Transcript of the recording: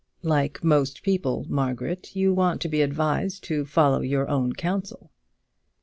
"Like most people, Margaret, you want to be advised to follow your own counsel."